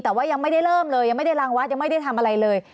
แต่ว่ายังไม่ได้เริ่มเลยยังไม่ได้รางวัดยังไม่ได้ทำอะไรเลย